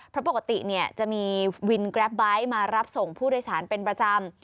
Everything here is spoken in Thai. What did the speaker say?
เพราะปกติจะมีวินแกรปไบท์มารับส่งผู้โดยสารเป็นประจำ